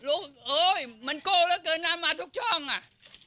โอยเมื่อง็โกนะเกินนานมาทุกช่องอ่ะ